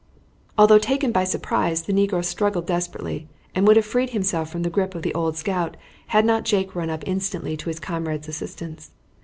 Although taken by surprise, the negro struggled desperately and would have freed himself from the grip of the old scout had not Jake run up instantly to his comrade's assistance.